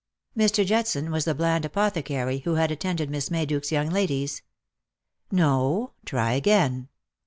Mr. Judson was the bland apothecary who had attended ZMiss Mayduke's young ladies. " No. Try again."